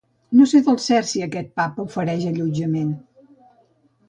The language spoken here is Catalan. No sé del cert si aquest pub ofereix allotjament